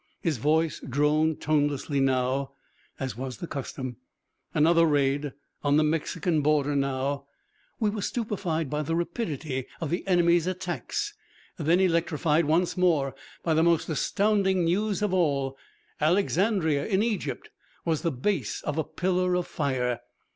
His voice droned tonelessly now, as was the custom. Another raid, on the Mexican Border now. We were stupefied by the rapidity of the enemy's attacks; then electrified once more by the most astounding news of all. Alexandria, in Egypt, was the base of a pillar of fire!